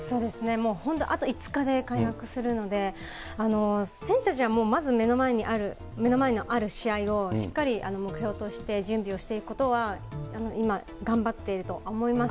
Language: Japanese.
もう本当、あと５日で開幕するので、選手たちはまず目の前の試合をしっかり目標として準備をしていくことは、今頑張っていると思います。